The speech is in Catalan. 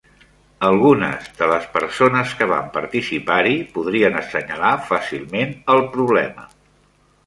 Algunes de les persones que van participar-hi podrien assenyalar fàcilment el problema